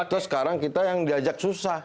atau sekarang kita yang diajak susah